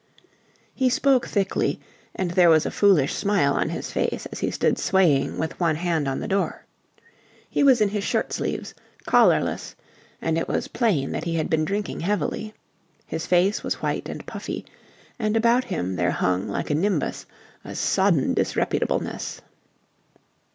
He spoke thickly, and there was a foolish smile on his face as he stood swaying with one hand on the door. He was in his shirt sleeves, collarless: and it was plain that he had been drinking heavily. His face was white and puffy, and about him there hung like a nimbus a sodden disreputableness.